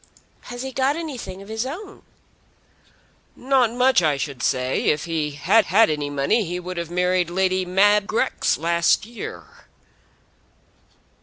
"Has he got anything of his own?" "Not much, I should say. If he had had any money he would have married Lady Mab Grex last year."